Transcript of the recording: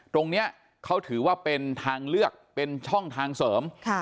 ตรงนี้เขาถือว่าเป็นทางเลือกเป็นช่องทางเสริม